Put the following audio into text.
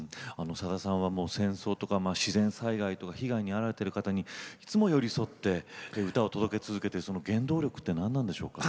さださんは戦争とか自然災害被害に遭われてる方にいつも寄り添って歌を届け続けてその原動力って何なんでしょうか？